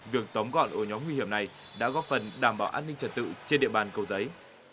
việc tóm gọn ổ nhóm nguy hiểm này đã góp phần đảm bảo an ninh trật tự trên địa bàn cầu giấy